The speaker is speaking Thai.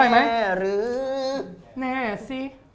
แม่หรือแม่สิ